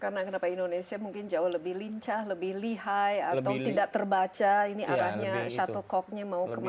karena kenapa indonesia mungkin jauh lebih lincah lebih lihai atau tidak terbaca ini arahnya shuttlecocknya mau kemana gitu